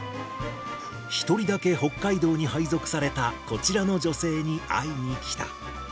１人だけ北海道に配属されたこちらの女性に会いに来た。